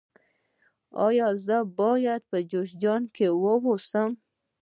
ایا زه باید په جوزجان کې اوسم؟